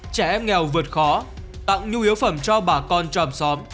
trẻ em nghèo vượt khó tặng nhu yếu phẩm cho bà con trong xóm